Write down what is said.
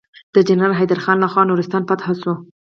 د جنرال حيدر خان لخوا نورستان فتحه شو.